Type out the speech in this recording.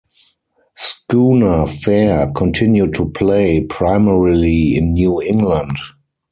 Schooner Fare continued to play, primarily in New England.